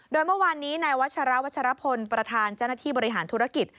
โดยเมื่อวานนี้นายวัชราวัชรพลประธานเจ้าหน้าที่บริหารธุรกิจ